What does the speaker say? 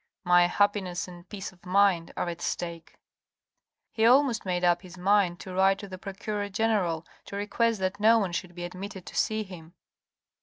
"My happiness and peace of mind are at stake." He almost made up his mind to write to the Procureur General to request that no one should be admitted to see him.